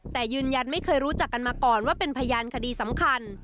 แต่ยืนยันไม่เคยรู้จักกันมาก่อนว่าเป็นพยานคดีสำคัญ